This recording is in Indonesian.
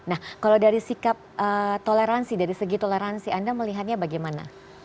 nah kalau dari sikap toleransi dari segi toleransi anda melihatnya bagaimana